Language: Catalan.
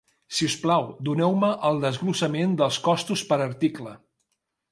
Si us plau, doneu-me el desglossament dels costos per article.